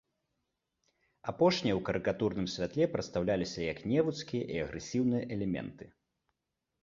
Апошнія ў карыкатурным святле прадстаўляліся як невуцкія і агрэсіўныя элементы.